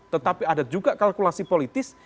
tetapi ada juga kalkulasi politis